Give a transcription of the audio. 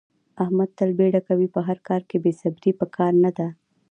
احمد تل بیړه کوي. په هر کار کې بې صبرې په کار نه ده.